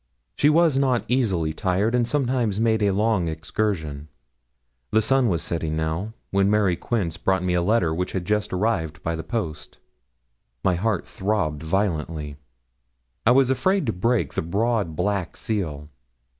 She was not easily tired, and sometimes made a long excursion. The sun was setting now, when Mary Quince brought me a letter which had just arrived by the post. My heart throbbed violently. I was afraid to break the broad black seal.